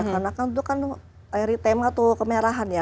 karena kan itu kan eritema atau kemerahan ya